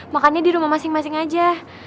makannya di rumah masing masing aja